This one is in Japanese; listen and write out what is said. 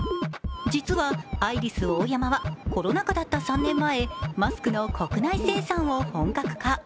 実はアイリスオーヤマはコロナ禍だった３年前、マスクの国内生産を本格化。